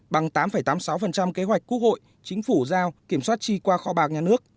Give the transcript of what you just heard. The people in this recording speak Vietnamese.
bằng tám tám mươi sáu kế hoạch quốc hội chính phủ giao kiểm soát chi qua kho bạc nhà nước